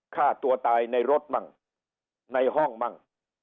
ฆ่าตัวตายในรถมั่งในห้องมั่ง